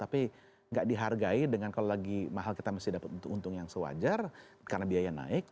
tapi tidak dihargai dengan kalau lagi mahal kita masih dapat untung yang sewajar karena biaya naik